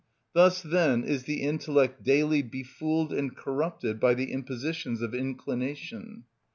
Thus then is the intellect daily befooled and corrupted by the impositions of inclination.